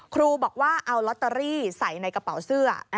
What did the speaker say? ครูบอกว่าเอาลอตเตอรี่ใส่ในกระเป๋าเสื้อ